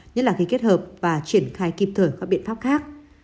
nhất là khi kết hợp và triển khai kịp thời các biện pháp khác